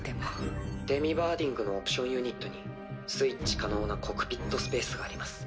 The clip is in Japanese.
デミバーディングのオプションユニットにスイッチ可能なコクピットスペースがあります。